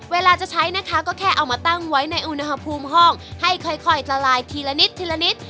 เวลาจะใช้นะคะก็แค่เอามาตั้งไว้ในอุณหภูมิห้องให้ค่อยละลายทีละนิดทีละนิด